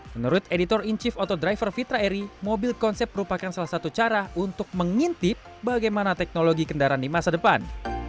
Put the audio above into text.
menurut editor in chief auto driver fitra eri mobil konsep merupakan salah satu cara untuk mengintip bagaimana teknologi kendaraan di masa depan